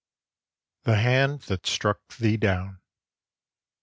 THE HAND THAT STRUCK THEE DOWN.